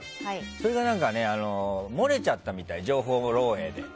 それがね何か漏れちゃったみたい情報漏洩で。